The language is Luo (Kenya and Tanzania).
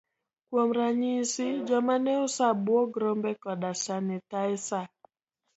Kuom ranyisi, joma ne uso abuog rombe koda sanitaisa.